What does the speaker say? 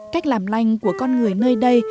cách làm lanh của con người nơi đây